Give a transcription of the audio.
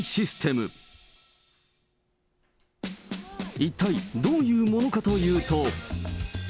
一体どういうものかというと。